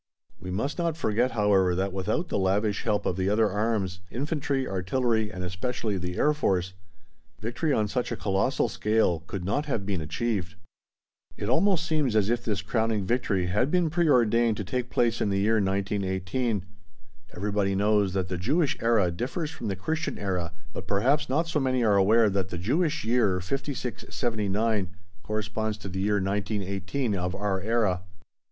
We must not forget, however, that without the lavish help of the other arms infantry, artillery, and especially the Air Force, victory on such a colossal scale could not have been achieved. It almost seems as if this crowning victory had been pre ordained to take place in the year 1918. Everybody knows that the Jewish era differs from the Christian era, but perhaps not so many are aware that the Jewish year 5679 corresponds to the year 1918 of our era.